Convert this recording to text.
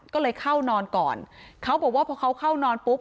ก็เลยเข้านอนก่อนเขาบอกว่าพอเขาเข้านอนปุ๊บ